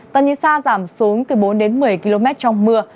tầm nhìn xa giảm xuống từ bốn đến một mươi km trong mưa